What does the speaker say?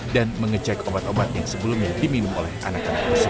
dan mengecek obat obat yang sebelumnya diminum oleh anak anak musim